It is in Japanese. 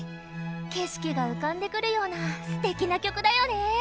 景色が浮かんでくるようなすてきな曲だよね。